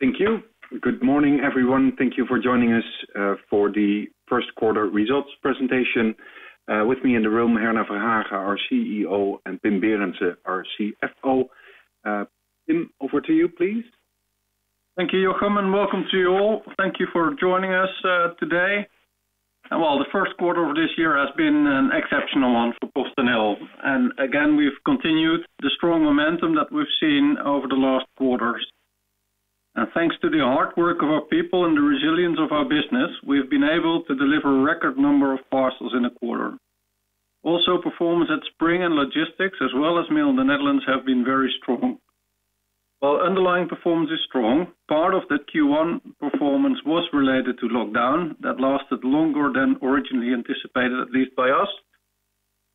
Thank you. Good morning, everyone. Thank you for joining us for the first quarter results presentation. With me in the room, Herna Verhagen, our CEO, and Pim Berendsen, our CFO. Pim, over to you, please. Thank you, Jochum. Welcome to you all. Thank you for joining us today. Well, the first quarter of this year has been an exceptional one off PostNL. Again, we've continued the strong momentum that we've seen over the last quarters. Now thanks to the hard work of our people and the resilience of our business, we've been able to deliver a record number of parcels in a quarter. Also, performance at Spring and Logistics, as well as Mail in the Netherlands, have been very strong. While underlying performance is strong, part of the Q1 performance was related to lockdown that lasted longer than originally anticipated, at least by us,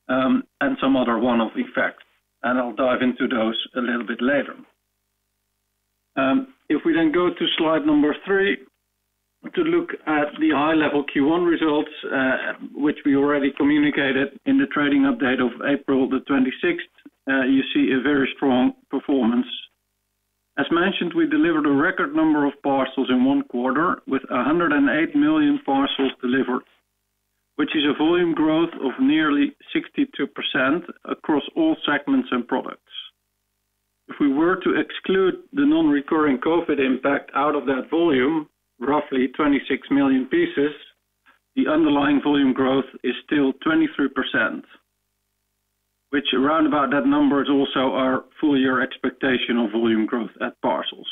and some other one-off effects. I'll dive into those a little bit later. If we go to slide number three to look at the high-level Q1 results, which we already communicated in the trading update of April 26th, you see a very strong performance. As mentioned, we delivered a record number of parcels in one quarter with 108 million parcels delivered, which is a volume growth of nearly 62% across all segments and products. If we were to exclude the non-recurring COVID impact out of that volume, roughly 26 million pieces, the underlying volume growth is still 23%, which around about that number is also our full-year expectation of volume growth at parcels.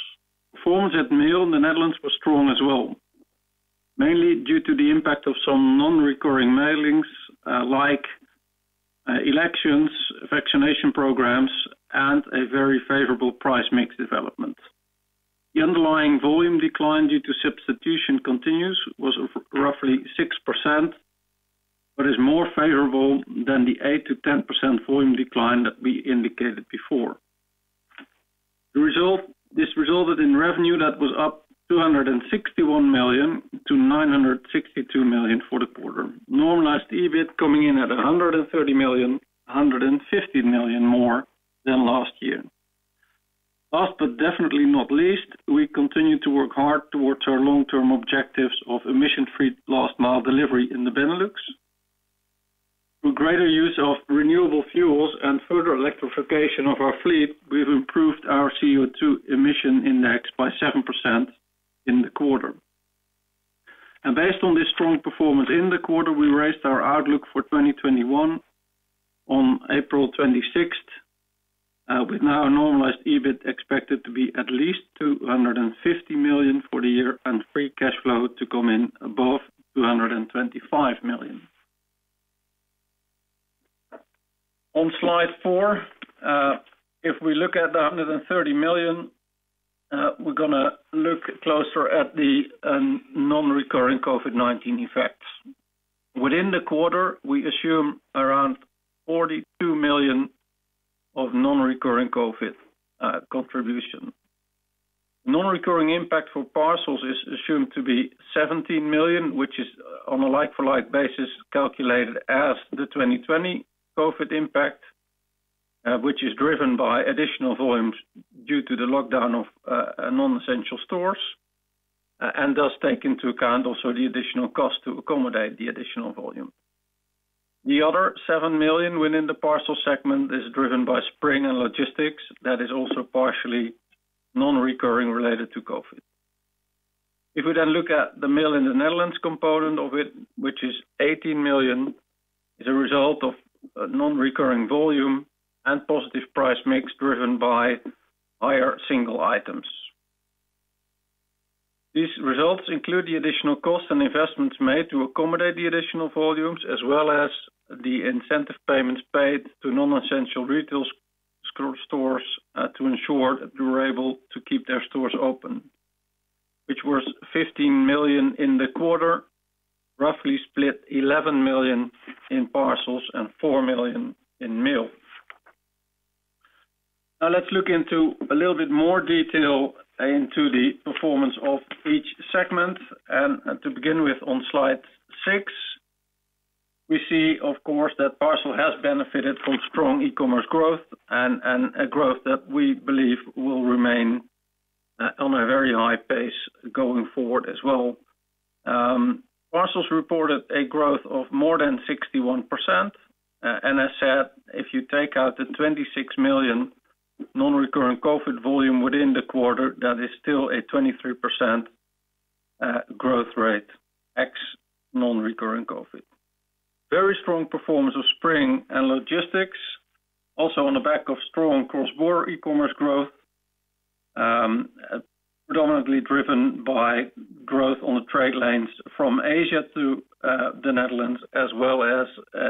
Performance at Mail in the Netherlands was strong as well, mainly due to the impact of some non-recurring mailings, like elections, vaccination programs, and a very favorable price mix development. The underlying volume decline due to substitution continues, was roughly 6%, but is more favorable than the 8%-10% volume decline that we indicated before. This resulted in revenue that was up 261 million to 962 million for the quarter. Normalized EBIT coming in at 130 million, 150 million more than last year. Last but definitely not least, we continue to work hard towards our long-term objectives of emission-free last mile delivery in the Benelux. Through greater use of renewable fuels and further electrification of our fleet, we've improved our CO2 emission index by 7% in the quarter. Based on this strong performance in the quarter, we raised our outlook for 2021 on April 26th, with now a normalized EBIT expected to be at least 250 million for the year and free cash flow to come in above 225 million. On slide four, if we look at the 130 million, we're going to look closer at the non-recurring COVID-19 effects. Within the quarter, we assume around 42 million of non-recurring COVID contribution. Non-recurring impact for parcels is assumed to be 17 million, which is on a like-for-like basis, calculated as the 2020 COVID impact, which is driven by additional volumes due to the lockdown of non-essential stores, and does take into account also the additional cost to accommodate the additional volume. The other 7 million within the parcel segment is driven by Spring and Logistics that is also partially non-recurring related to COVID. We look at the Mail in the Netherlands component of it, which is 18 million, is a result of non-recurring volume and positive price mix driven by higher singleitems. These results include the additional costs and investments made to accommodate the additional volumes, as well as the incentive payments paid to non-essential retail stores to ensure that they were able to keep their stores open, which was 15 million in the quarter, roughly split 11 million in Parcels and 4 million in Mail. Let's look into a little bit more detail into the performance of each segment. To begin with on slide six, we see, of course, that Parcels has benefited from strong e-commerce growth and a growth that we believe will remain on a very high pace going forward as well. Parcels reported a growth of more than 61%. I said, if you take out the 26 million non-recurring COVID volume within the quarter, that is still a 23% growth rate ex non-recurring COVID. Very strong performance of Spring and Logistics, also on the back of strong cross-border e-commerce growth, predominantly driven by growth on the trade lines from Asia to the Netherlands, as well as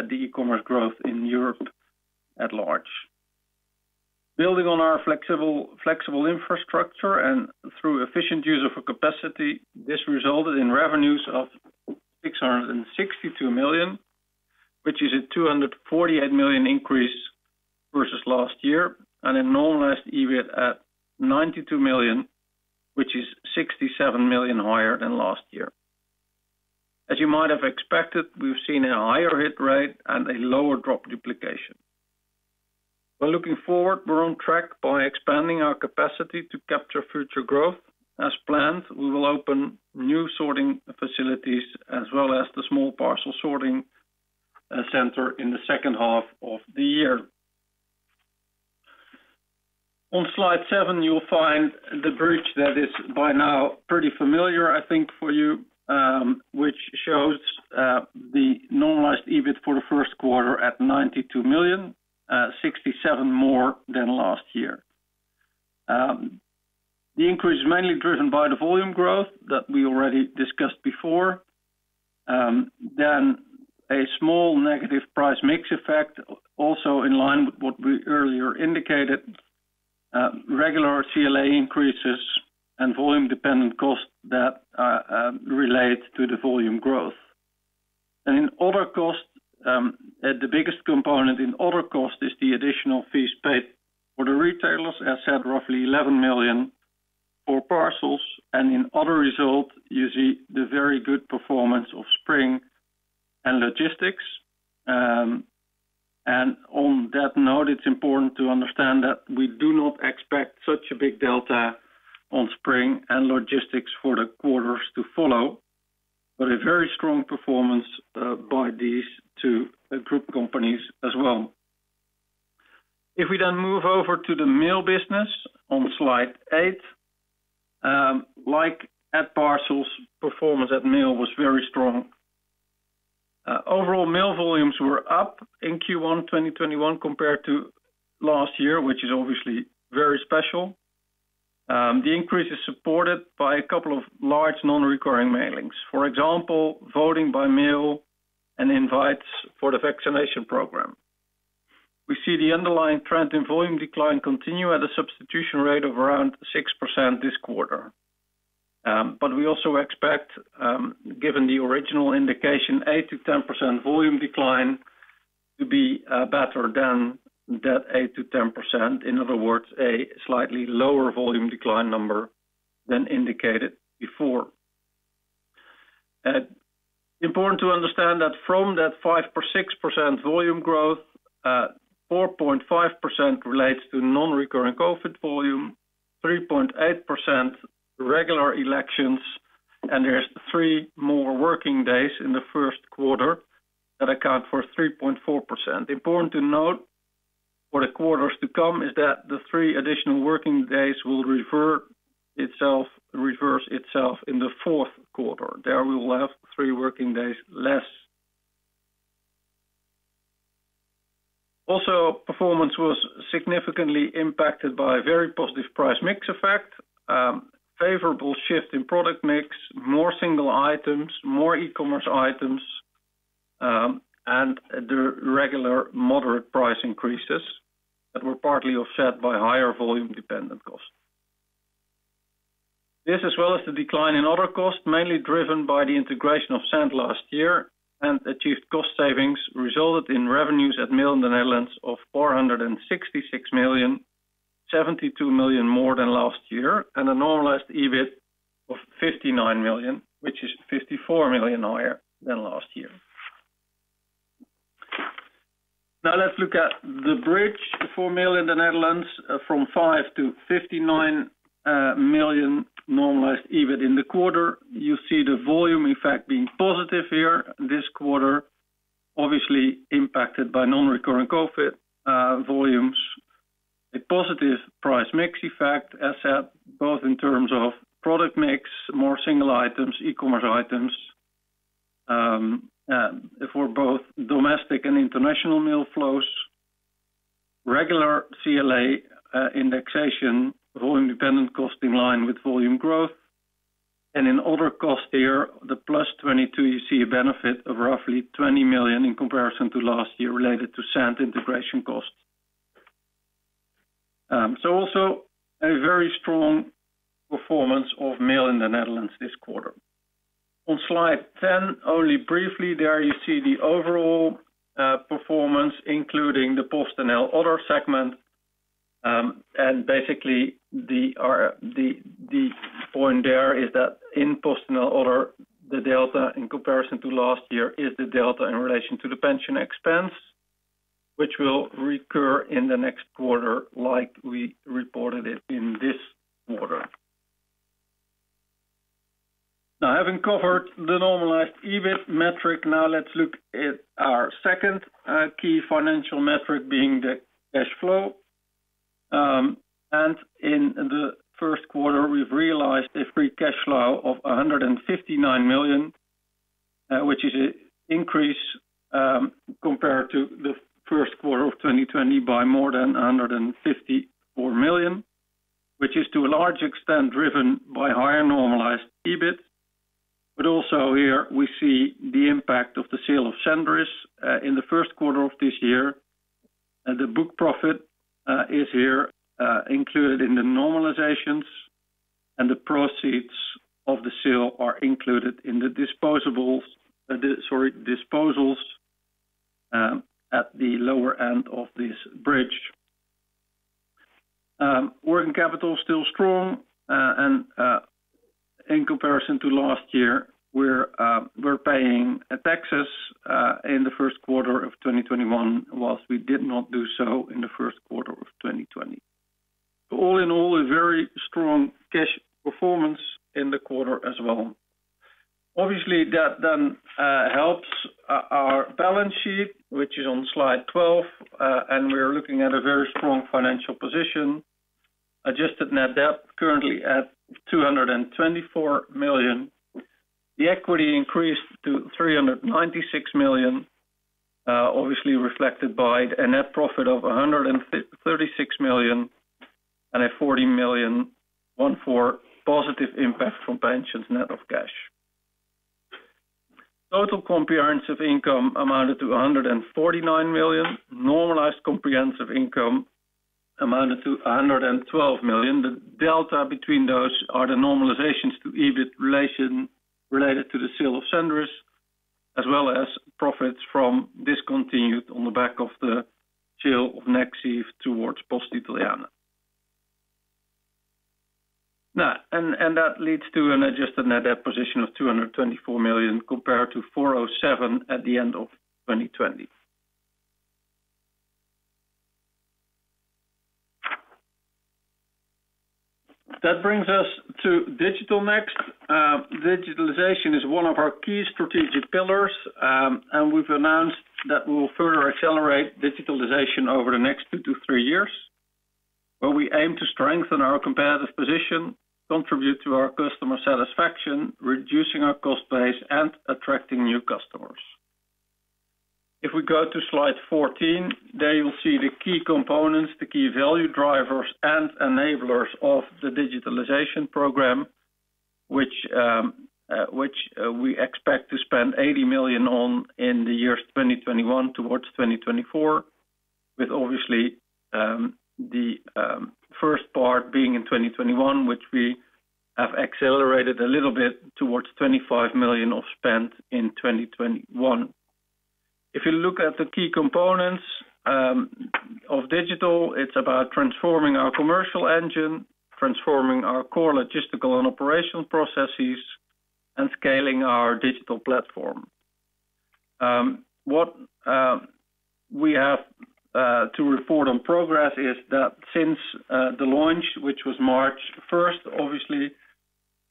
the e-commerce growth in Europe at large. Building on our flexible infrastructure and through efficient use of our capacity, this resulted in revenues of 662 million, which is a 248 million increase versus last year, and a normalized EBIT at 92 million, which is 67 million higher than last year. As you might have expected, we've seen a higher hit rate and a lower drop duplication. By looking forward, we're on track by expanding our capacity to capture future growth. As planned, we will open new sorting facilities as well as the small parcel sorting center in the second half of the year. On slide seven, you'll find the bridge that is by now pretty familiar, I think, for you, which shows the normalized EBIT for the first quarter at 92 million, 67 more than last year. The increase is mainly driven by the volume growth that we already discussed before. A small negative price mix effect, also in line with what we earlier indicated. Regular CLA increases and volume-dependent costs that relate to the volume growth. In other costs, the biggest component in other costs is the additional fees paid for the retailers, as said, roughly 11 million for parcels. In other results, you see the very good performance of Spring and Logistics. On that note, it's important to understand that we do not expect such a big delta on Spring GDS and Logistics for the quarters to follow, but a very strong performance by these two group companies as well. If we then move over to the Mail business on slide eight, like at parcels, performance at Mail was very strong. Overall Mail volumes were up in Q1 2021 compared to last year, which is obviously very special. The increase is supported by a couple of large non-recurring mailings. For example, voting by Mail and invites for the vaccination program. We see the underlying trend in volume decline continue at a substitution rate of around 6% this quarter. We also expect, given the original indication, 8%-10% volume decline to be better than that 8%-10%. In other words, a slightly lower volume decline number than indicated before. Important to understand that from that 5% or 6% volume growth, 4.5% relates to non-recurring COVID volume, 3.8% regular elections, and there's three more working days in the first quarter that account for 3.4%. Important to note for the quarters to come is that the three additional working days will reverse itself in the fourth quarter. There we will have three working days less. Performance was significantly impacted by a very positive price mix effect, favorable shift in product mix, more single items, more e-commerce items, and the regular moderate price increases that were partly offset by higher volume-dependent costs. This, as well as the decline in other costs, mainly driven by the integration of Sandd last year and achieved cost savings, resulted in revenues at Mail in the Netherlands of 466 million, 72 million more than last year, and a normalized EBIT of 59 million, which is 54 million higher than last year. Let's look at the bridge for Mail in the Netherlands from 5 million to 59 million normalized EBIT in the quarter. You see the volume effect being positive here this quarter, obviously impacted by non-recurring COVID volumes. A positive price mix effect as said, both in terms of product mix, more single items, e-commerce items, for both domestic and international mail flows. Regular CLA indexation, volume-dependent costs in line with volume growth. In other costs here, the +22, you see a benefit of roughly 20 million in comparison to last year related to Sandd integration costs. Also a very strong performance of Mail in the Netherlands this quarter. On slide 10, only briefly there you see the overall performance, including the PostNL Other segment. Basically, the point there is that in PostNL Other, the delta in comparison to last year is the delta in relation to the pension expense, which will recur in the next quarter like we reported it in this quarter. Having covered the normalized EBIT metric, let's look at our second key financial metric being the cash flow. In the first quarter, we've realized a free cash flow of 159 million, which is an increase compared to the first quarter of 2020 by more than 154 million, which is to a large extent driven by higher normalized EBIT. Also here, we see the impact of the sale of Sandd in the first quarter of this year. The book profit is here included in the normalizations, and the proceeds of the sale are included in the disposals at the lower end of this bridge. Working capital is still strong, and in comparison to last year, we're paying taxes in the first quarter of 2021, whilst we did not do so in the first quarter of 2020. All in all, a very strong cash performance in the quarter as well. Obviously, that then helps our balance sheet, which is on slide 12. We're looking at a very strong financial position. Adjusted net debt currently at 224 million. The equity increased to 396 million, obviously reflected by a net profit of 136 million and a 40 million one for positive impact from pensions net of cash. Total comprehensive income amounted to 149 million. Normalized comprehensive income amounted to 112 million. The delta between those are the normalizations to EBIT related to the sale of Sandd, as well as profits from discontinued on the back of the sale of Nexive towards Poste Italiane. That leads to an adjusted net debt position of 224 million compared to 407 million at the end of 2020. That brings us to Digital Next. Digitalization is one of our key strategic pillars, and we've announced that we will further accelerate digitalization over the next two to three years, where we aim to strengthen our competitive position, contribute to our customer satisfaction, reducing our cost base, and attracting new customers. If we go to slide 14, there you'll see the key components, the key value drivers, and enablers of the digitalization program, which we expect to spend 80 million on in the years 2021 towards 2024, with obviously the first part being in 2021, which we have accelerated a little bit towards 25 million of spend in 2021. If you look at the key components of digital, it's about transforming our commercial engine, transforming our core logistical and operational processes, and scaling our digital platform. What we have to report on progress is that since the launch, which was March 1st, obviously,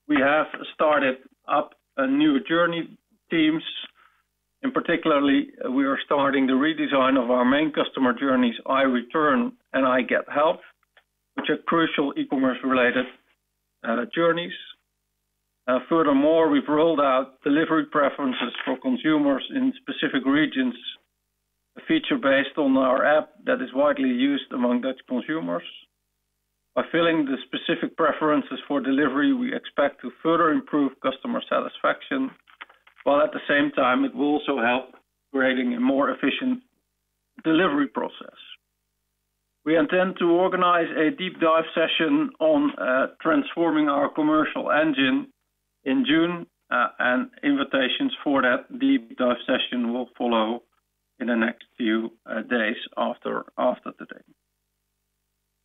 we have started up new journey teams. In particular, we are starting the redesign of our main customer journeys, iReturn and iGet Help, which are crucial e-commerce related journeys. Furthermore, we've rolled out delivery preferences for consumers in specific regions, a feature based on our app that is widely used among Dutch consumers. By filling the specific preferences for delivery, we expect to further improve customer satisfaction, while at the same time, it will also help creating a more efficient delivery process. We intend to organize a deep dive session on transforming our commercial engine in June, and invitations for that deep dive session will follow in the next few days after today.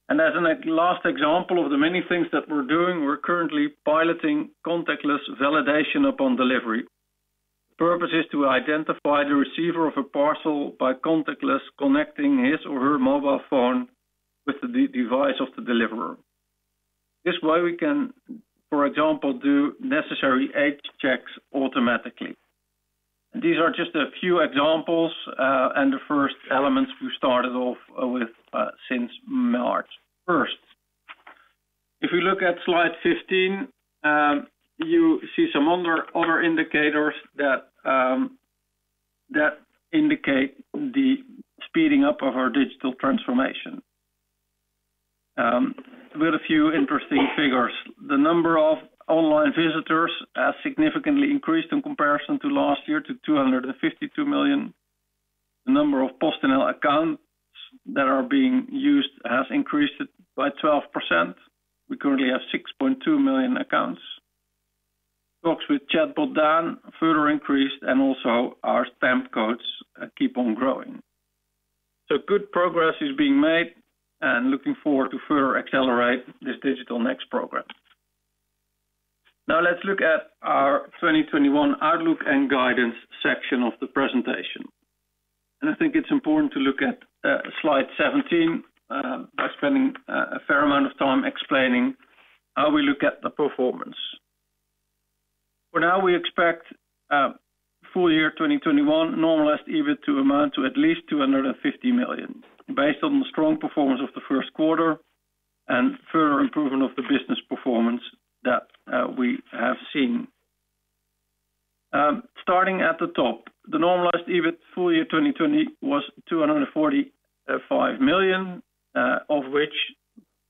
As a last example of the many things that we're doing, we're currently piloting contactless validation upon delivery. The purpose is to identify the receiver of a parcel by contactless connecting his or her mobile phone with the device of the deliverer. This way we can, for example, do necessary age checks automatically. These are just a few examples, and the first elements we started off with since March 1st. If you look at slide 15, you see some other indicators that indicate the speeding up of our digital transformation. With a few interesting figures. The number of online visitors has significantly increased in comparison to last year to 252 million. The number of PostNL accounts that are being used has increased by 12%. We currently have 6.2 million accounts. Talks with chatbot Daan further increased, also our stamp codes keep on growing. Good progress is being made and looking forward to further accelerate this Digital Next program. Let's look at our 2021 outlook and guidance section of the presentation. I think it's important to look at slide 17 by spending a fair amount of time explaining how we look at the performance. For now, we expect full year 2021 normalized EBIT to amount to at least 250 million based on the strong performance of the first quarter and further improvement of the business performance that we have seen. Starting at the top, the normalized EBIT full year 2020 was 245 million, of which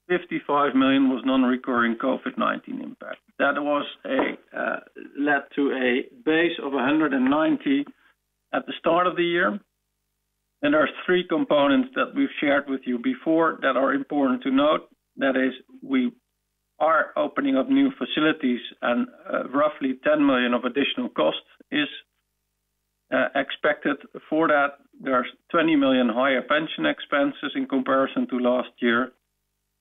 55 million was non-recurring COVID-19 impact. That led to a base of 190 million at the start of the year. There are three components that we've shared with you before that are important to note. That is, we are opening up new facilities and roughly 10 million of additional cost is expected for that, there are 20 million higher pension expenses in comparison to last year,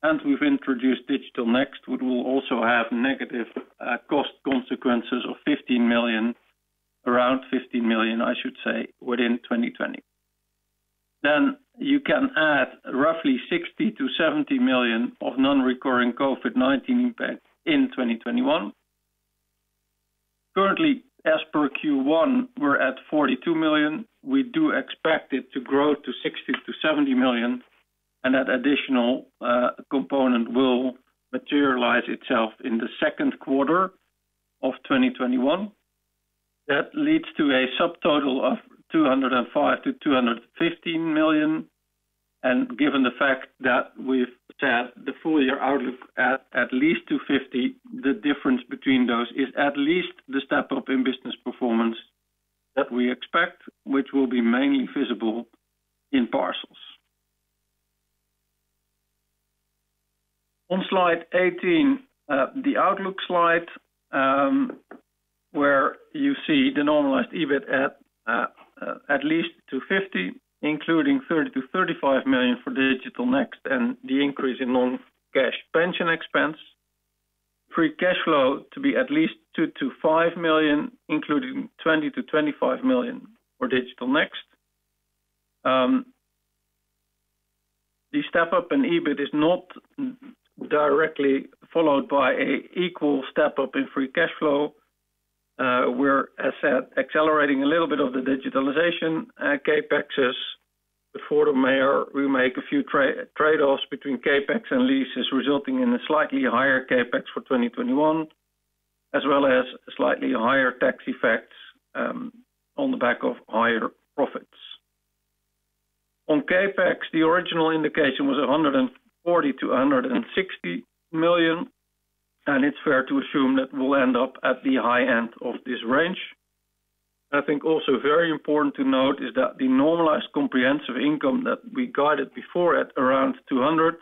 and we've introduced Digital Next, which will also have negative cost consequences of 15 million, around 15 million, I should say, within 2020. You can add roughly 60 million-70 million of non-recurring COVID-19 impact in 2021. Currently, as per Q1, we're at 42 million. We do expect it to grow to 60 million-70 million, and that additional component will materialize itself in the second quarter of 2021. That leads to a subtotal of 205 million-215 million. Given the fact that we've set the full year outlook at least 250 million, the difference between those is at least the step-up in business performance that we expect, which will be mainly visible in parcels. On slide 18, the outlook slide, where you see the normalized EBIT at least 250, including 30 million-35 million for Digital Next and the increase in non-cash pension expense. Free cash flow to be at least 2 million-5 million, including 20 million-25 million for Digital Next. The step-up in EBIT is not directly followed by an equal step-up in free cash flow. We're, as said, accelerating a little bit of the digitalization CapEx. Before the merger, we make a few trade-offs between CapEx and leases, resulting in a slightly higher CapEx for 2021, as well as slightly higher tax effects on the back of higher profits. On CapEx, the original indication was 140 million-160 million, and it's fair to assume that we'll end up at the high end of this range. I think also very important to note is that the normalized comprehensive income that we guided before at around 200 million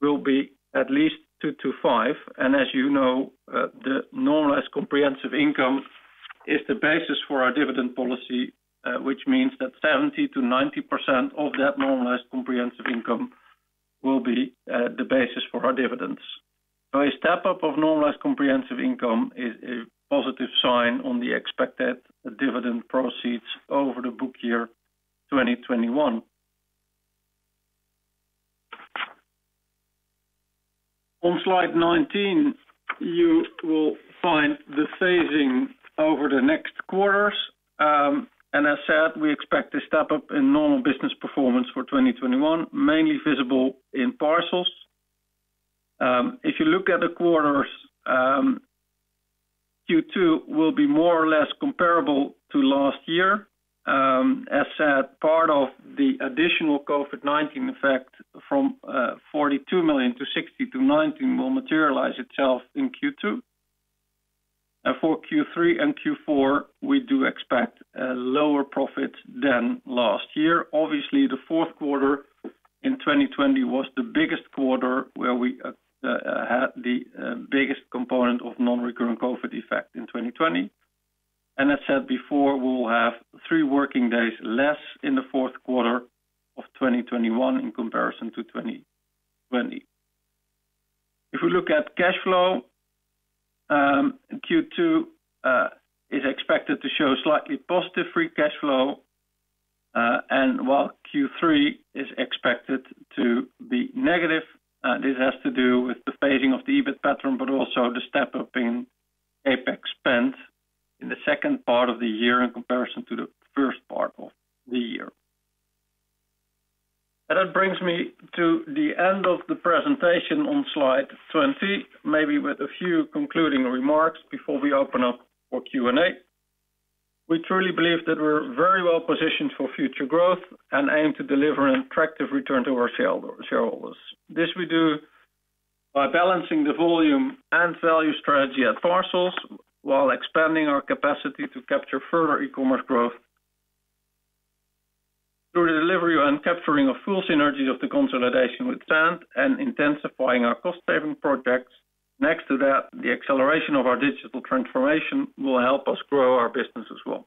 will be at least 2 million-5 million. As you know, the normalized comprehensive income is the basis for our dividend policy, which means that 70%-90% of that normalized comprehensive income will be the basis for our dividends. A step-up of normalized comprehensive income is a positive sign on the expected dividend proceeds over the book year 2021. On slide 19, you will find the phasing over the next quarters. As said, we expect a step-up in normal business performance for 2021, mainly visible in parcels. If you look at the quarters, Q2 will be more or less comparable to last year. As said, part of the additional COVID-19 effect from 42 million to 60 million-90 million will materialize itself in Q2. For Q3 and Q4, we do expect a lower profit than last year. Obviously, the fourth quarter in 2020 was the biggest quarter, where we had the biggest component of non-recurring COVID effect in 2020. I said before, we'll have three working days less in the fourth quarter of 2021 in comparison to 2020. If we look at cash flow, Q2 is expected to show slightly positive free cash flow, and while Q3 is expected to be negative. This has to do with the phasing of the EBIT pattern, but also the step-up in CapEX spend in the second part of the year in comparison to the first part of the year. That brings me to the end of the presentation on slide 20, maybe with a few concluding remarks before we open up for Q&A. We truly believe that we're very well positioned for future growth and aim to deliver an attractive return to our shareholders. This we do by balancing the volume and value strategy at parcels while expanding our capacity to capture further e-commerce growth. Through the delivery and capturing of full synergies of the consolidation with Sandd and intensifying our cost-saving projects. Next to that, the acceleration of our digital transformation will help us grow our business as well.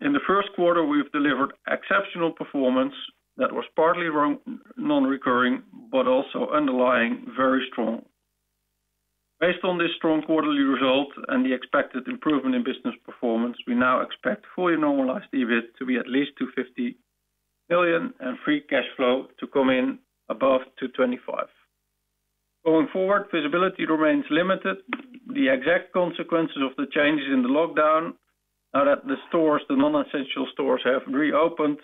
In the first quarter, we've delivered exceptional performance that was partly non-recurring, but also underlying very strong. Based on this strong quarterly result and the expected improvement in business performance, we now expect fully normalized EBIT to be at least 250 million and free cash flow to come in above 225. Going forward, visibility remains limited. The exact consequences of the changes in the lockdown now that the stores, the non-essential stores have reopened,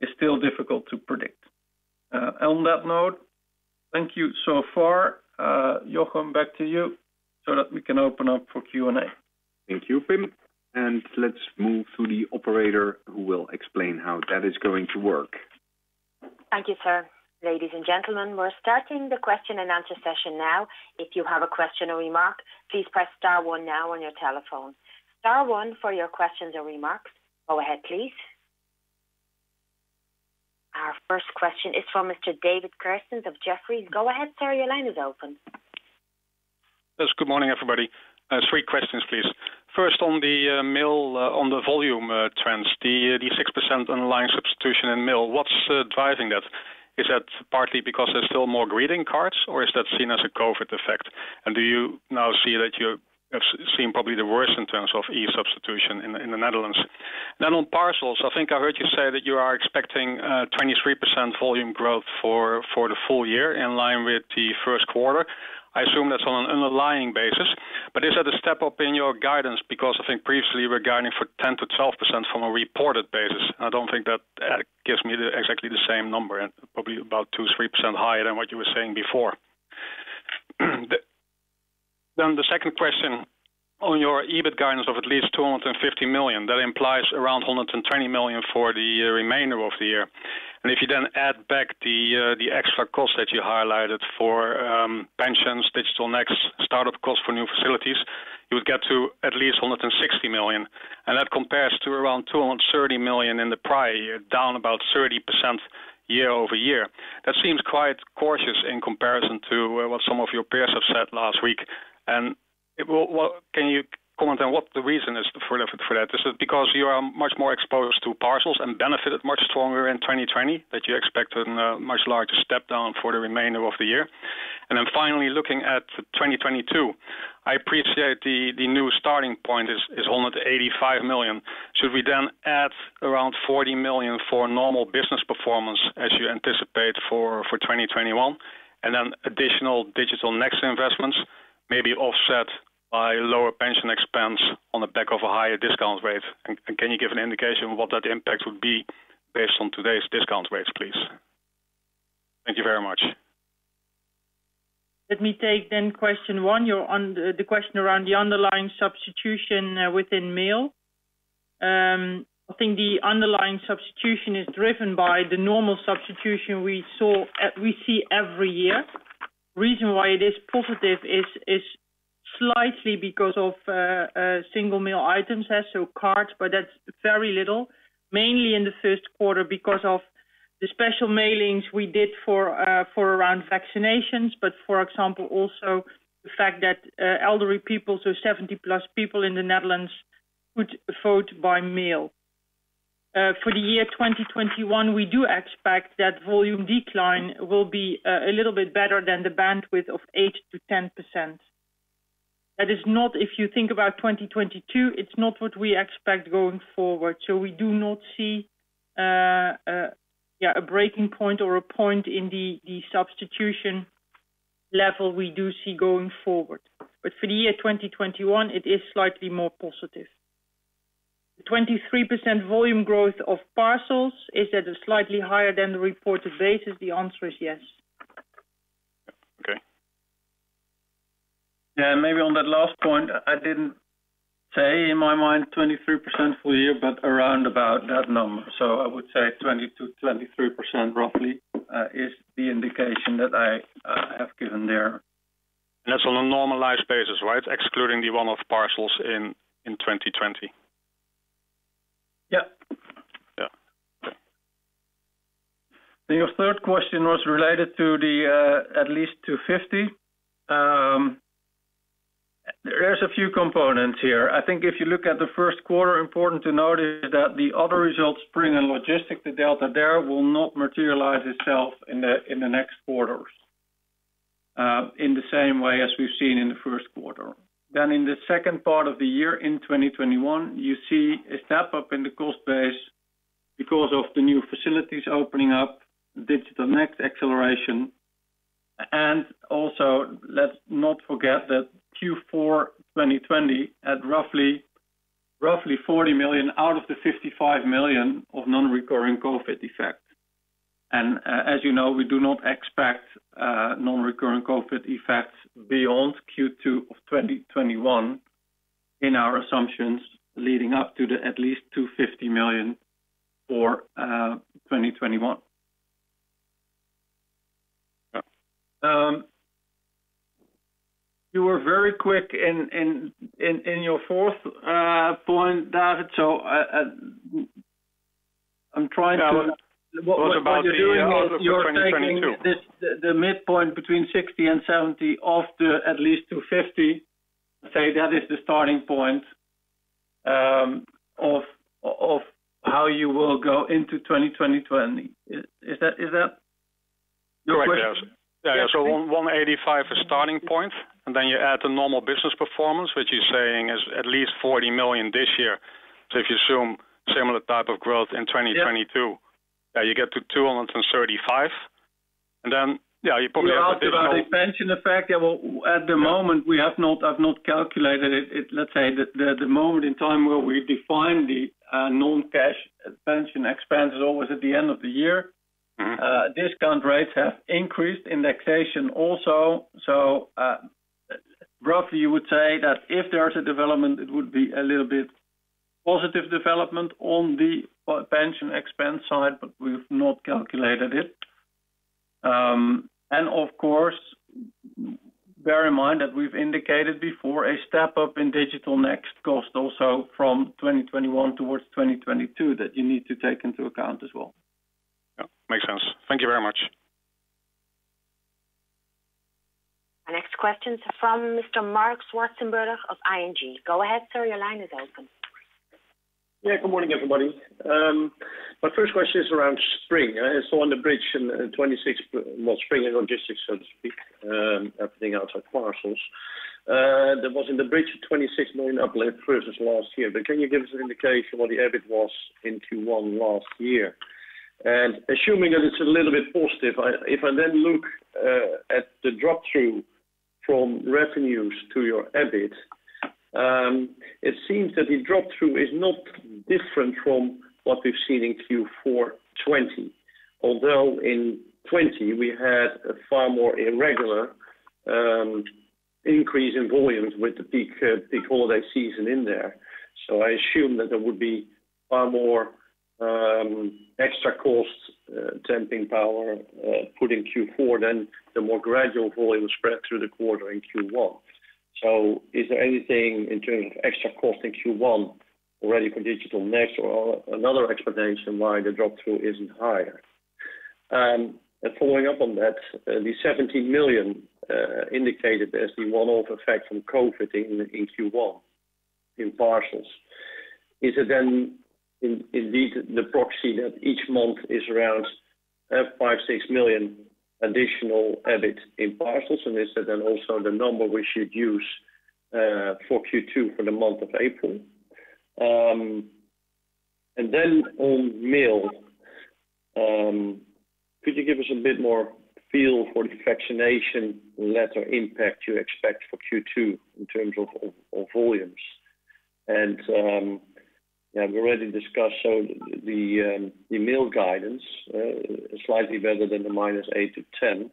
is still difficult to predict. On that note, thank you so far. Jochum, back to you so that we can open up for Q&A. Thank you, Pim. Let's move to the operator who will explain how that is going to work. Thank you, sir. Ladies and gentlemen, we're starting the question and answer session now. If you have a question or remark, please press star one now on your telephone. Star one for your questions or remarks. Go ahead, please. First question is from Mr. David Kerstens of Jefferies. Go ahead, sir, your line is open. Yes. Good morning, everybody. Three questions, please. First, on the mail, on the volume trends, the 6% underlying substitution in mail, what's driving that? Is that partly because there's still more greeting cards, or is that seen as a COVID effect? Do you now see that you have seen probably the worst in terms of e-substitution in the Netherlands? On parcels, I think I heard you say that you are expecting 23% volume growth for the full year, in line with the first quarter. I assume that's on an underlying basis. Is that a step up in your guidance? I think previously you were guiding for 10%-12% from a reported basis. I don't think that gives me exactly the same number, and probably about 2% or 3% higher than what you were saying before. The second question on your EBIT guidance of at least 250 million, that implies around 120 million for the remainder of the year. If you then add back the extra cost that you highlighted for pensions, Digital Next, start-up cost for new facilities, you would get to at least 160 million. That compares to around 230 million in the prior year, down about 30% year-over-year. That seems quite cautious in comparison to what some of your peers have said last week. Can you comment on what the reason is for that? Is it because you are much more exposed to parcels and benefited much stronger in 2020 that you expect a much larger step down for the remainder of the year? Finally, looking at 2022, I appreciate the new starting point is 185 million. Should we add around 40 million for normal business performance as you anticipate for 2021, and then additional Digital Next investments may be offset by lower pension expense on the back of a higher discount rate? Can you give an indication of what that impact would be based on today's discount rates, please? Thank you very much. Let me take question one, the question around the underlying substitution within mail. I think the underlying substitution is driven by the normal substitution we see every year. Reason why it is positive is slightly because of single mail items as so cards, but that's very little, mainly in the first quarter because of the special mailings we did for around vaccinations. For example, also the fact that elderly people, 70+ people in the Netherlands would vote by mail. For the year 2021, we do expect that volume decline will be a little bit better than the bandwidth of 8%-10%. That is not, if you think about 2022, it's not what we expect going forward. We do not see a breaking point or a point in the substitution level we do see going forward. For the year 2021, it is slightly more positive. 23% volume growth of parcels, is that slightly higher than the reported basis? The answer is yes. Okay. Yeah, maybe on that last point, I didn't say in my mind 23% full year, but around about that number. I would say 22%, 23% roughly is the indication that I have given there. That's on a normalized basis, right? Excluding the one-off parcels in 2020. Yeah. Yeah. Your third question was related to the at least 250. There's a few components here. I think if you look at the first quarter, important to note is that the PostNL Other results, Spring and Logistics, the delta there will not materialize itself in the next quarters in the same way as we've seen in the first quarter. In the second part of the year, in 2021, you see a step up in the cost base because of the new facilities opening up, Digital Next acceleration. Let's not forget that Q4 2020 had roughly 40 million out of the 55 million of non-recurring COVID effects. As you know, we do not expect non-recurring COVID effects beyond Q2 of 2021 in our assumptions leading up to the at least 250 million for 2021. Yeah. You were very quick in your fourth point, David. Yeah, it was about the year out of 2022. What you're doing is you are taking the midpoint between 60 and 70 of the at least 250, say that is the starting point of how you will go into 2020. Is that the question? Correct, yes. 185 is starting point, and then you add the normal business performance, which you're saying is at least 40 million this year. If you assume similar type of growth in 2022- Yeah you get to 235. The pension effect, at the moment, we have not calculated it. Let's say that at the moment in time where we define the non-cash pension expense is always at the end of the year. Discount rates have increased, indexation also. Roughly you would say that if there is a development, it would be a little bit positive development on the pension expense side, but we've not calculated it. Of course, bear in mind that we've indicated before a step up in Digital Next cost also from 2021 towards 2022 that you need to take into account as well. Yeah. Makes sense. Thank you very much. The next question is from Mr. Marc Zwartsenburg of ING. Go ahead, sir, your line is open. Good morning, everybody. My first question is around Spring. On the bridge in 26 million, well, Spring and Logistics, so to speak, everything outside parcels. There was in the bridge of 26 million uplift versus last year. Can you give us an indication what the EBIT was in Q1 last year? Assuming that it's a little bit positive, if I then look at the drop-through from revenues to your EBIT, it seems that the drop-through is not different from what we've seen in Q4 2020. In 2020 we had a far more irregular increase in volumes with the peak holiday season in there. I assume that there would be far more extra costs, temping power put in Q4 than the more gradual volume spread through the quarter in Q1. Is there anything in terms of extra cost in Q1 already for Digital Next or another explanation why the drop-through isn't higher? Following up on that, the 17 million indicated as the one-off effect from COVID in Q1 in parcels, is it then indeed the proxy that each month is around 5 million, 6 million additional EBIT in parcels? Is that then also the number we should use for Q2 for the month of April? On mail, could you give us a bit more feel for the vaccination letter impact you expect for Q2 in terms of volumes? We already discussed so the mail guidance slightly better than the -8% to -10%,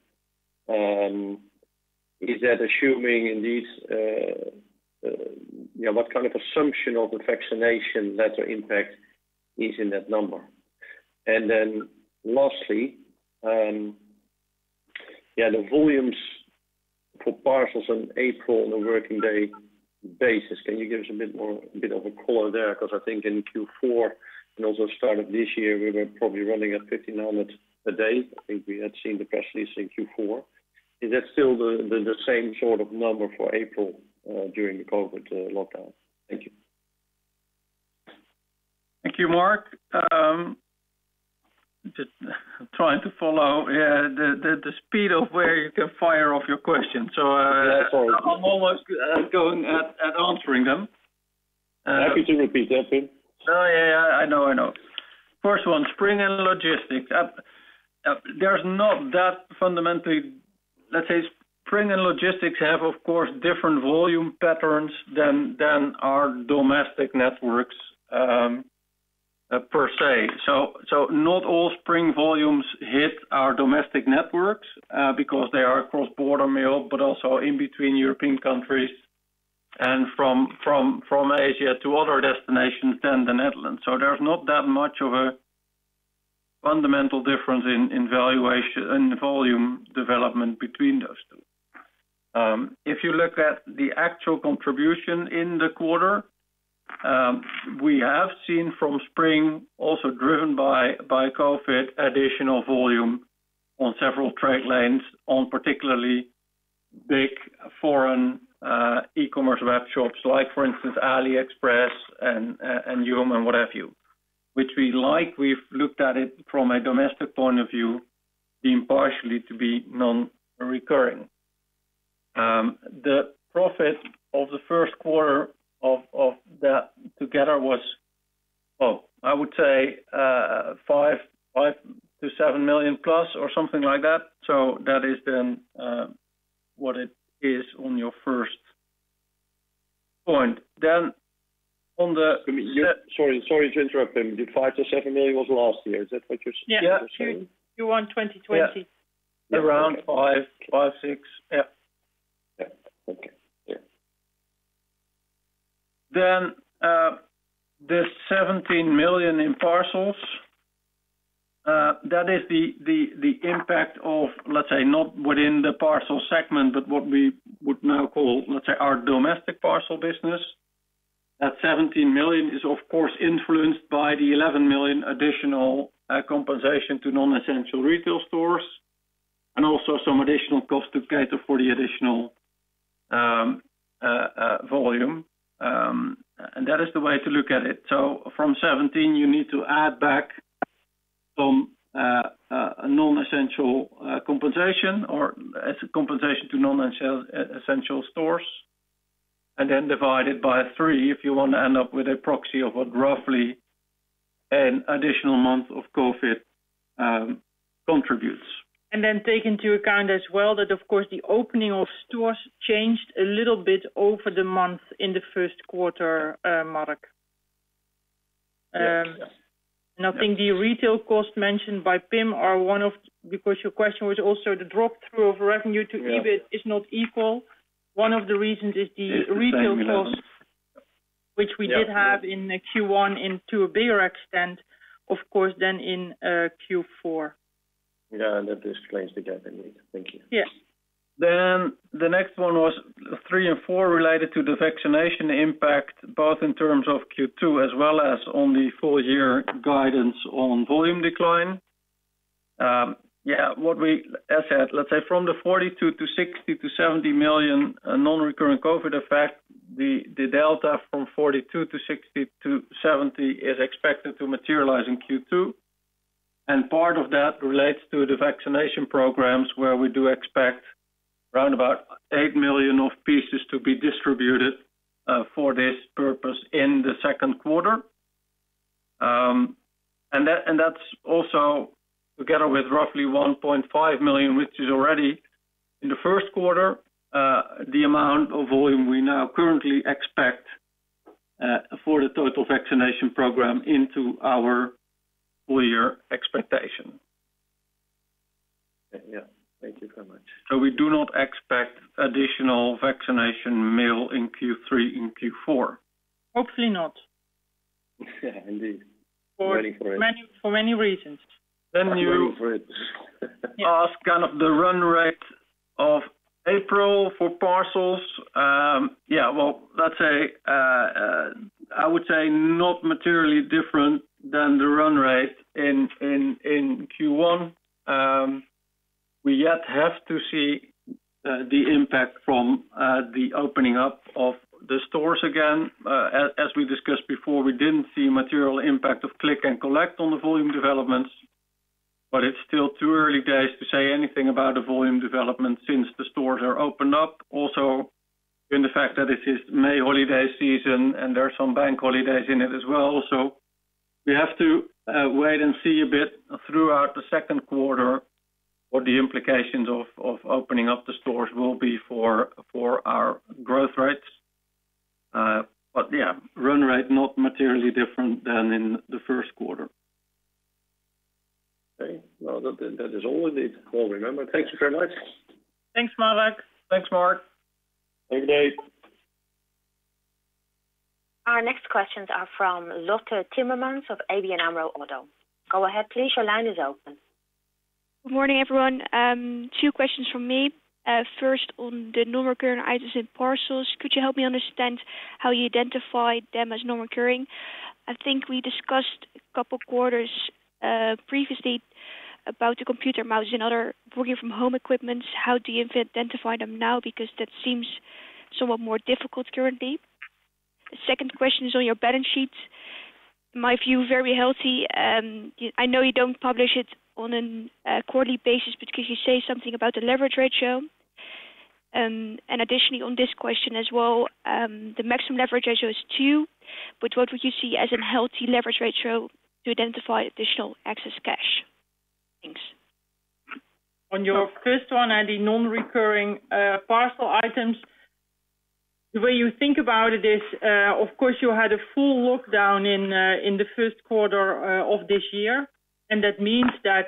what kind of assumption of the vaccination letter impact is in that number? Lastly, the volumes for parcels in April on a working day basis, can you give us a bit of a color there? I think in Q4 and also start of this year, we were probably running at 1,500 a day. I think we had seen the press release in Q4. Is that still the same sort of number for April, during the COVID lockdown? Thank you. Thank you, Marc. I'm trying to follow the speed of where you can fire off your questions. Yeah, sorry. I'm almost going at answering them. Happy to repeat, Pim. Oh, yeah. I know. First one, Spring and Logistics. Spring and Logistics have, of course, different volume patterns than our domestic networks per se. Not all Spring volumes hit our domestic networks, because they are cross-border mail, but also in between European countries and from Asia to other destinations than the Netherlands. There's not that much of a fundamental difference in volume development between those two. If you look at the actual contribution in the quarter, we have seen from Spring, also driven by COVID, additional volume on several trade lanes on particularly big foreign e-commerce web shops like for instance, AliExpress and Joom, and what have you, which we like. We've looked at it from a domestic point of view, being partially to be non-recurring. The profit of the first quarter of that together was, I would say, 5 million-7 million+ or something like that. That is then what it is on your first point. Sorry to interrupt, Pim. The 5 million-7 million was last year, is that what you're saying? Yeah. Q1 2020. Yeah. Around five, six. Yeah. Yeah. Okay. Yeah. This 17 million in parcels, that is the impact of not within the parcel segment, but what we would now call our domestic parcel business. That 17 million is of course influenced by the 11 million additional compensation to non-essential retail stores and also some additional cost to cater for the additional volume. That is the way to look at it. From 17 million you need to add back some non-essential compensation or compensation to non-essential stores, and then divide it by three if you want to end up with a proxy of what roughly an additional month of COVID contributes. Take into account as well that of course the opening of stores changed a little bit over the month in the first quarter, Marc. Yes. I think the retail costs mentioned by Pim are one of-- because your question was also the drop-through of revenue to EBIT is not equal. One of the reasons is the retail cost, which we did have in the Q1 and to a bigger extent, of course, than in Q4. Yeah, that explains the gap indeed. Thank you. Yes. The next one was three and four related to the vaccination impact, both in terms of Q2 as well as on the full-year guidance on volume decline. As said, let's say from the 42 million-60 million-EUR 70 million non-recurring COVID effect, the delta from 42 million to 60 million to 70 million is expected to materialize in Q2. Part of that relates to the vaccination programs, where we do expect around about 8 million pieces to be distributed for this purpose in the second quarter. That's also together with roughly 1.5 million, which is already in the first quarter, the amount of volume we now currently expect for the total vaccination program into our full-year expectation. Yeah. Thank you so much. We do not expect additional vaccination mail in Q3 and Q4. Hopefully not. Indeed. Waiting for it. For many reasons. Waiting for it. Yes. Ask the run rate of April for parcels. Yeah. Well, I would say not materially different than the run rate in Q1. We yet have to see the impact from the opening up of the stores again. As we discussed before, we didn't see material impact of click and collect on the volume developments, but it's still too early days to say anything about the volume development since the stores are opened up. Also, given the fact that it is May holiday season, and there are some bank holidays in it as well. We have to wait and see a bit throughout the second quarter what the implications of opening up the stores will be for our growth rates. Yeah, run rate not materially different than in the first quarter. Okay. Well, that is all indeed. Well, remember, thank you very much. Thanks, Marc. Thanks, Marc. Thank you, David. Our next questions are from Lotte Timmermans of ABN AMRO ODDO. Go ahead, please. Your line is open. Good morning, everyone. Two questions from me. First, on the non-recurring items in parcels, could you help me understand how you identify them as non-recurring? I think we discussed a couple of quarters previously about the computer mouse and other working from home equipment. How do you identify them now? That seems somewhat more difficult currently. Second question is on your balance sheet. In my view, very healthy. I know you don't publish it on a quarterly basis, but could you say something about the leverage ratio? Additionally, on this question as well, the maximum leverage ratio is two, but what would you see as a healthy leverage ratio to identify additional excess cash? Thanks. On your first one on the non-recurring parcel items, the way you think about it is, of course, you had a full lockdown in the first quarter of this year, and that means that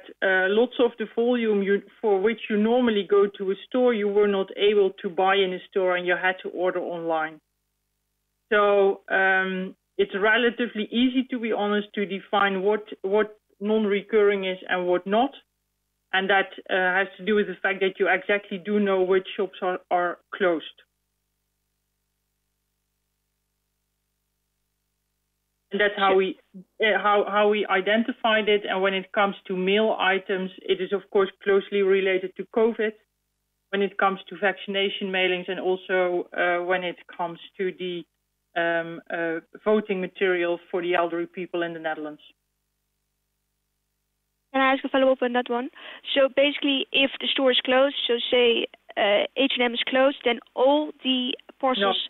lots of the volume for which you normally go to a store, you were not able to buy in a store and you had to order online. It's relatively easy, to be honest, to define what non-recurring is and what not. That has to do with the fact that you exactly do know which shops are closed. That's how we identified it, and when it comes to mail items, it is of course closely related to COVID when it comes to vaccination mailings and also when it comes to the voting material for the elderly people in the Netherlands. Can I ask a follow-up on that one? Basically, if the store is closed, so say H&M is closed, then all the parcels.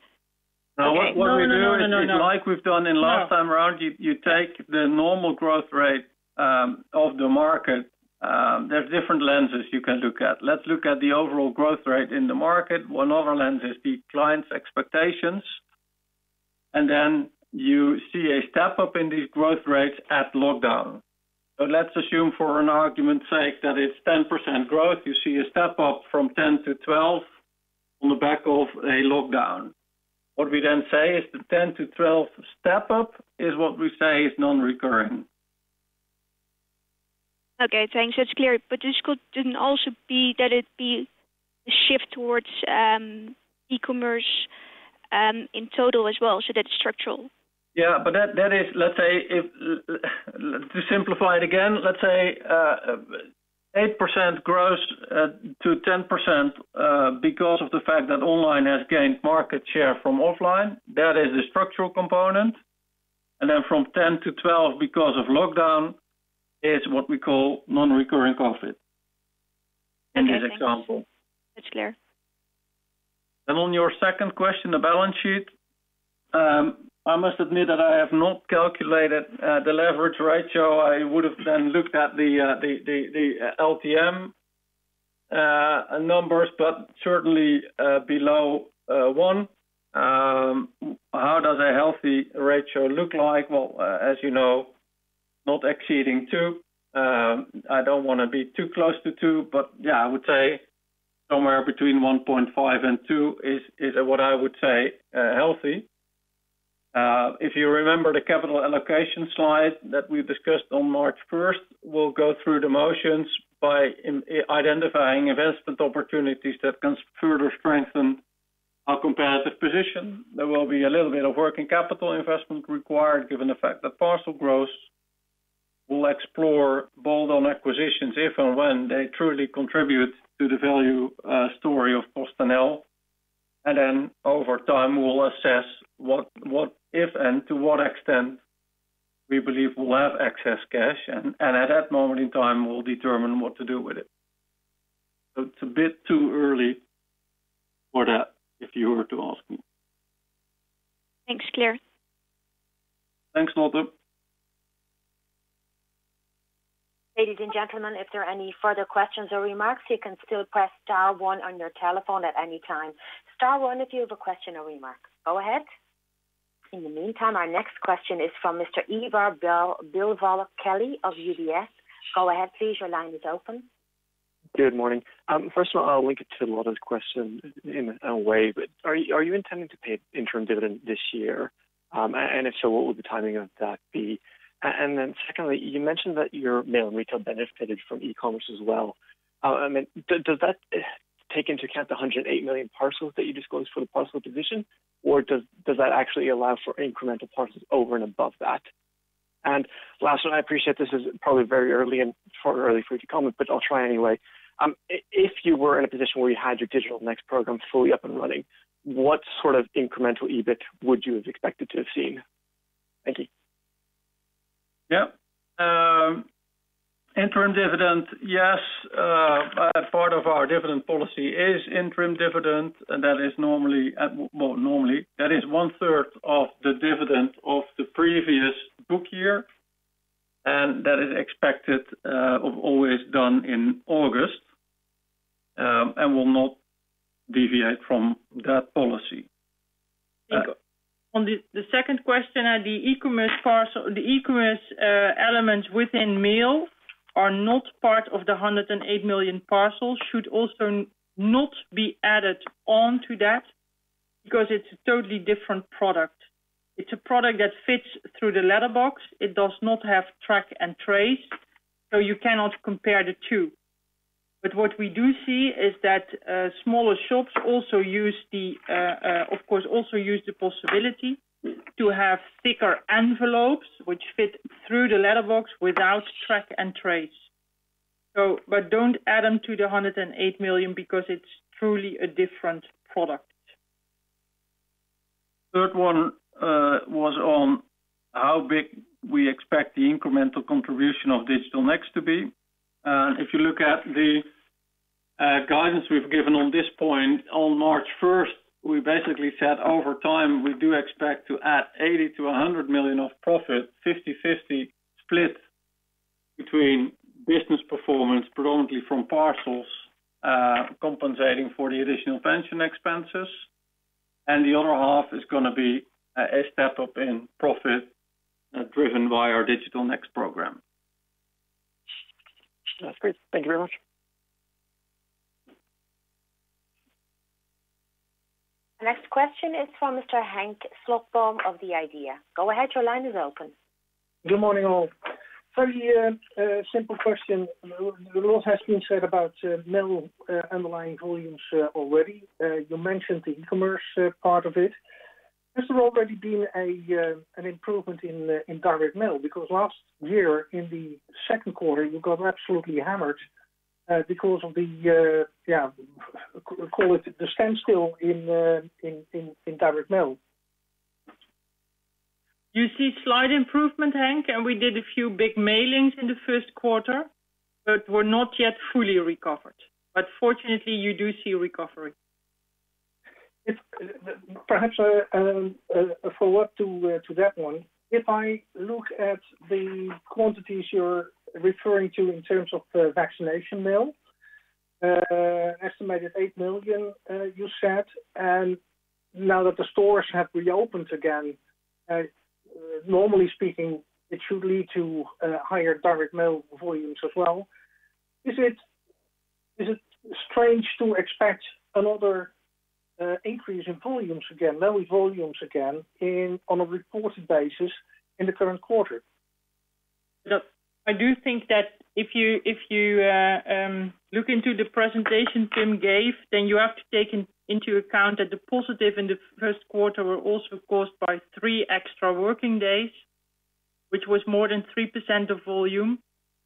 No. Okay. No, no. What we do is like we've done in last time around, you take the normal growth rate of the market. There's different lenses you can look at. Let's look at the overall growth rate in the market. One other lens is the client's expectations. Then you see a step-up in these growth rates at lockdown. Let's assume for an argument's sake that it's 10% growth. You see a step-up from 10 to 12 on the back of a lockdown. What we then say is the 10-2 step-up is what we say is non-recurring. Okay, thanks. That's clear. This could then also be that it be a shift towards e-commerce in total as well, so that it's structural. Yeah, to simplify it again, let's say 8% grows to 10% because of the fact that online has gained market share from offline. That is the structural component. From 10 to 12 because of lockdown is what we call non-recurring COVID in this example. Okay, thanks. That's clear. On your second question, the balance sheet, I must admit that I have not calculated the leverage ratio. I would've then looked at the LTM numbers, but certainly below one. How does a healthy ratio look like? Well, as you know. Not exceeding two. I don't want to be too close to two, but I would say somewhere between 1.5 and two is what I would say healthy. If you remember the capital allocation slide that we discussed on March 1st, we'll go through the motions by identifying investment opportunities that can further strengthen our competitive position. There will be a little bit of working capital investment required given the fact that parcel growth will explore bolt-on acquisitions if and when they truly contribute to the value story of PostNL. Over time, we'll assess if and to what extent we believe we'll have excess cash, and at that moment in time, we'll determine what to do with it. It's a bit too early for that if you were to ask me. Thanks, Pim. Thanks, Lotte. Ladies and gentlemen, if there are any further questions or remarks, you can still press star one on your telephone at any time. Star one if you have a question or remark. Go ahead. In the meantime, our next question is from Mr. Ivor Kelly of UBS. Go ahead, please. Your line is open. Good morning. First of all, I'll link it to Lotte's question in a way, but are you intending to pay interim dividend this year? If so, what would the timing of that be? Secondly, you mentioned that your mail and retail benefited from e-commerce as well. Does that take into account the 108 million parcels that you disclosed for the parcel division, or does that actually allow for incremental parcels over and above that? Last one, I appreciate this is probably very early and it's far early for you to comment, but I'll try anyway. If you were in a position where you had your Digital Next program fully up and running, what sort of incremental EBIT would you have expected to have seen? Thank you. Yes. Interim dividend, yes. Part of our dividend policy is interim dividend, and that is one third of the dividend of the previous book year, and that is expected of always done in August, and will not deviate from that policy. On the second question, the e-commerce elements within mail are not part of the 108 million parcels, should also not be added onto that because it's a totally different product. It's a product that fits through the letterbox. It does not have track and trace. You cannot compare the two. What we do see is that smaller shops also use the possibility to have thicker envelopes which fit through the letterbox without track and trace. Don't add them to the 108 million because it's truly a different product. Third one was on how big we expect the incremental contribution of Digital Next to be. If you look at the guidance we've given on this point on March 1st, we basically said over time, we do expect to add 80 million-100 million of profit, 50/50 split between business performance predominantly from parcels, compensating for the additional pension expenses, and the other half is going to be a step-up in profit driven by our Digital Next program. That's great. Thank you very much. Next question is from Mr. Henk Slotboom of The IDEA!. Go ahead, your line is open. Good morning, all. Very simple question. A lot has been said about mail and mail volumes already. You mentioned the e-commerce part of it. This has already been an improvement in direct mail, because last year in the second quarter, you got absolutely hammered because of the standstill in direct mail. You see slight improvement, Henk, and we did a few big mailings in the first quarter, but we're not yet fully recovered. Fortunately, you do see recovery. Perhaps a follow-up to that one. If I look at the quantities you're referring to in terms of the vaccination mail, estimated 8 million you said, and now that the stores have reopened again, normally speaking, it should lead to higher direct mail volumes as well. Is it strange to expect another increase in volumes again, mail volumes again, on a reported basis in the current quarter? Look, I do think that if you look into the presentation Pim gave, then you have to take into account that the positive in the first quarter were also caused by three extra working days, which was more than 3% of volume,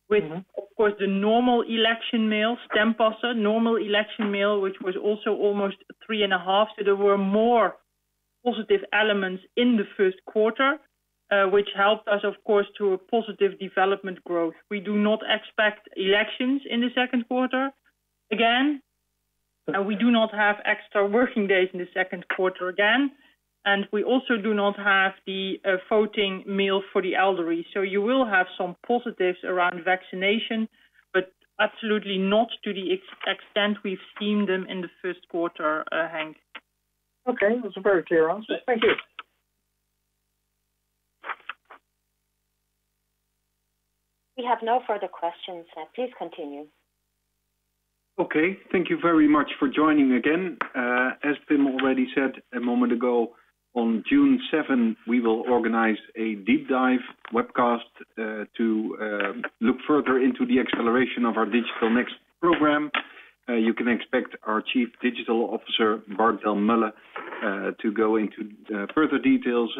with, of course, the normal election mail stempassen, normal election mail, which was also almost 3.5%. There were more positive elements in the first quarter, which helped us, of course, to a positive development growth. We do not expect elections in the second quarter again. We do not have extra working days in the second quarter again, and we also do not have the voting mail for the elderly. You will have some positives around vaccination, but absolutely not to the extent we've seen them in the first quarter, Henk. Okay. That's a very clear answer. Thank you. We have no further questions. Please continue. Okay. Thank you very much for joining again. As Pim already said a moment ago, on June 7th, we will organize a deep dive webcast to look further into the acceleration of our Digital Next program. You can expect our Chief Digital Officer, Bart Delmulle, to go into further details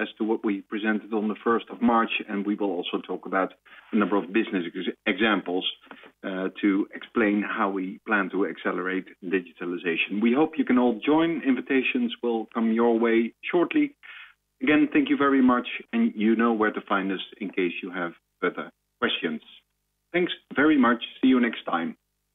as to what we presented on the 1st of March, and we will also talk about a number of business examples to explain how we plan to accelerate digitalization. We hope you can all join. Invitations will come your way shortly. Again, thank you very much, and you know where to find us in case you have further questions. Thanks very much. See you next time.